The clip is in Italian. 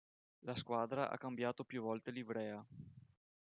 La squadra ha cambiato più volte livrea.